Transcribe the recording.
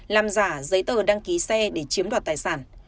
làm giả giấy tờ đăng ký xe để chiếm đoạt tài sản